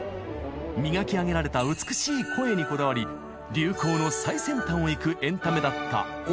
磨き上げられた美しい声にこだわり流行の最先端をいくエンタメだったオペラ。